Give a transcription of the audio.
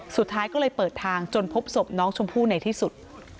สุดท้ายก็เลยเปิดทางจนพบศพน้องชมพู่ในที่สุด